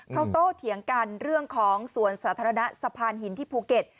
เขาโตเถียงกันเรื่องของสวนสาธารณะสะพานหินที่ภูเก็ต